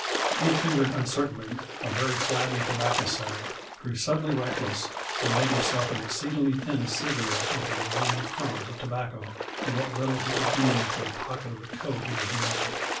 He fingered uncertainly a very flabby tobacco sack, grew suddenly reckless and made himself an exceedingly thin cigarette with the remaining crumbs of tobacco and what little he could glean from the pockets of the coat he was mending.